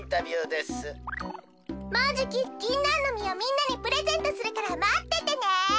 もうじきぎんなんのみをみんなにプレゼントするからまっててね。